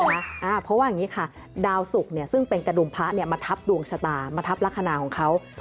เพราะว่าอย่างนี้ค่ะดาวสุกซึ่งเป็นกระดุมพระมาทับดวงชะตามาทับลักษณะของเขา